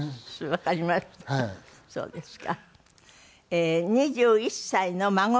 あっそうですか。